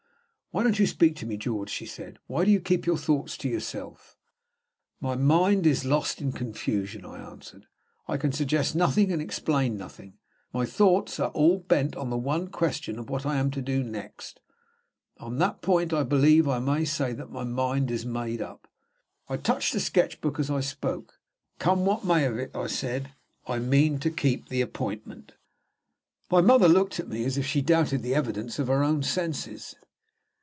"Why don't you speak to me, George?" she said. "Why do you keep your thoughts to yourself?" "My mind is lost in confusion," I answered. "I can suggest nothing and explain nothing. My thoughts are all bent on the one question of what I am to do next. On that point I believe I may say that my mind is made up." I touched the sketch book as I spoke. "Come what may of it," I said, "I mean to keep the appointment." My mother looked at me as if she doubted the evidence of her own senses.